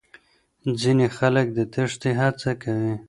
ځينې خلک د تېښتې هڅه کوي.